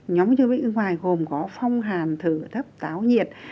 nhóm bệnh bên ngoài gồm có phong hàn thừa thấp táo nhiệt